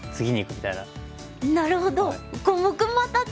なるほど！